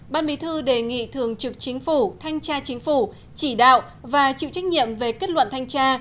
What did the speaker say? ban bí thư đề nghị thường trực chính phủ thanh tra chính phủ chỉ đạo và chịu trách nhiệm về kết luận thanh tra